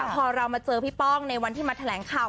พอเรามาเจอพี่ป้องในวันที่มาแถลงข่าว